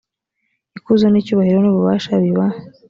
ikuzo n icyubahiro n ububasha biba